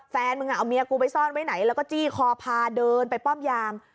แฟนมึงเอาเมียกูไปซ่อนไว้ไหนแล้วก็จี้คอพาเดินไปป้อมยาม